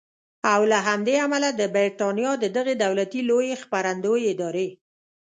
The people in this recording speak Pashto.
او له همدې امله د بریټانیا د دغې دولتي لویې خپرندویې ادارې